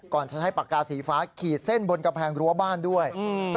ก่อนจะใช้ปากกาสีฟ้าขีดเส้นบนกำแพงรั้วบ้านด้วย